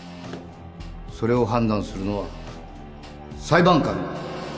それを判断するのは裁判官だ